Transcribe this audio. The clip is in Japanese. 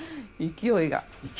勢いが？